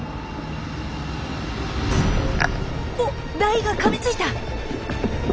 おっダイがかみついた！